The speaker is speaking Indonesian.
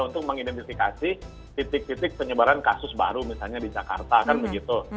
untuk mengidentifikasi titik titik penyebaran kasus baru misalnya di jakarta kan begitu